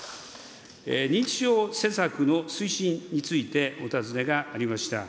認知症施策の推進についてお尋ねがありました。